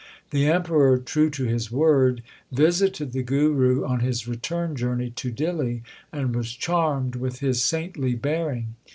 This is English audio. The Emperor, true to his word, visited the Guru on his return journey to Dihli, and was charmed with his saintly bearing.